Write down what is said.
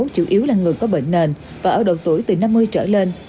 chủ yếu là người có bệnh nền và ở độ tuổi từ năm mươi trở lên